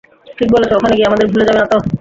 ঠিক বলেছো, - ওখানে গিয়ে আমাদের ভুলে যাবে না তো?